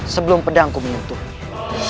sebelum pedangku menyunturnya